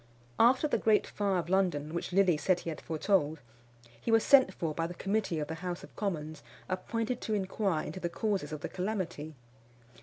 After the great fire of London, which Lilly said he had foretold, he was sent for by the committee of the House of Commons appointed to inquire into the causes of the calamity.